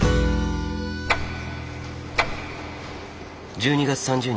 １２月３０日。